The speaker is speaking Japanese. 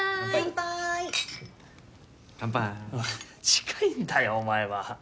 近いんだよお前は。